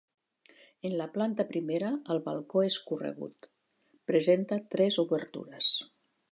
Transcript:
En la planta primera el balcó és corregut, presenta tres obertures.